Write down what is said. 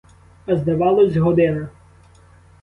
А здавалось — година.